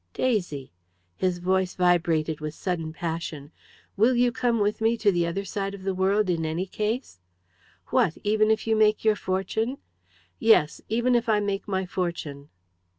"Daisy!" His voice vibrated with sudden passion. "Will you come with me to the other side of the world in any case?" "What even if you make your fortune?" "Yes; even if I make my fortune!"